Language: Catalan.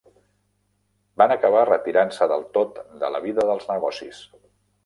Van acabar retirant-se del tot de la vida dels negocis.